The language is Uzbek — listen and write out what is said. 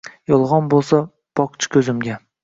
Yolg’on bo’lsa, boq-chi ko’zimga.